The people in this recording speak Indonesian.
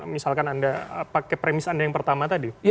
misalkan anda pakai premis anda yang pertama tadi